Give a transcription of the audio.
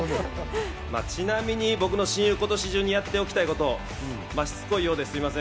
ちなみに僕の親友、今年中にやっておきたいこと、しつこいようで、すみません。